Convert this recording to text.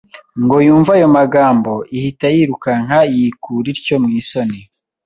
Ngo yumve ayo magambo, ihita yirukanka yikura ityo mu isoni